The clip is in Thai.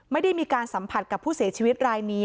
ไม่ได้มีการสัมผัสกับผู้เสียชีวิตรายนี้